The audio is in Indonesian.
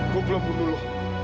gue belum bunuh lo